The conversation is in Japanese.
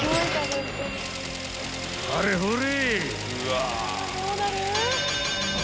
［はれほれ！］